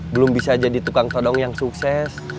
belum bisa jadi tukang sodong yang sukses